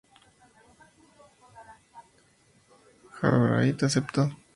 Galbraith aceptó.